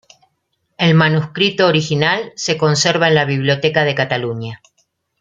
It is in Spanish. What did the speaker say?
El manuscrito original se conserva en la Biblioteca de Cataluña.